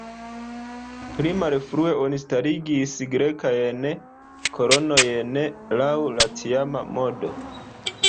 Pli malfrue, oni starigis grekajn kolonojn laŭ la tiama modo.